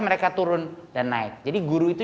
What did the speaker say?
mereka turun dan naik jadi guru itu